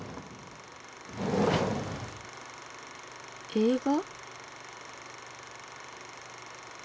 映画？